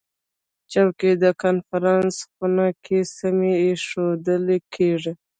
چوکۍ د کنفرانس خونه کې سمې ایښودل کېږي.